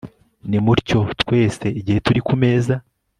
Nimutyo twese igihe turi ku meza